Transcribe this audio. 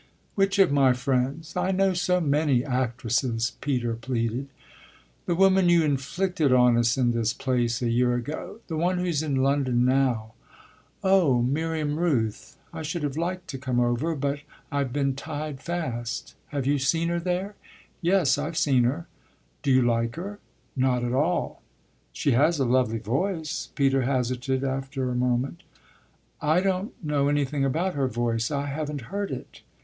"Which of my friends? I know so many actresses," Peter pleaded. "The woman you inflicted on us in this place a year ago the one who's in London now." "Oh Miriam Rooth? I should have liked to come over, but I've been tied fast. Have you seen her there?" "Yes, I've seen her." "Do you like her?" "Not at all." "She has a lovely voice," Peter hazarded after a moment. "I don't know anything about her voice I haven't heard it."